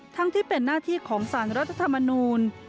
ทั้งที่เป็นหน้าที่ของสารรัฐธรรมนูล